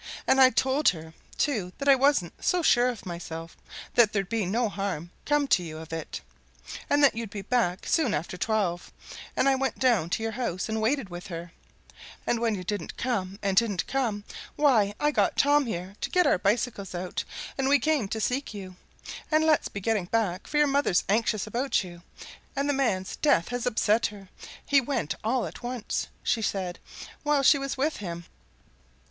And I told her, too, what I wasn't so sure of myself, that there'd no harm come to you of it, and that you'd be back soon after twelve, and I went down to your house and waited with her; and when you didn't come, and didn't come, why, I got Tom here to get our bicycles out and we came to seek you. And let's be getting back, for your mother's anxious about you, and the man's death has upset her he went all at once, she said, while she was with him."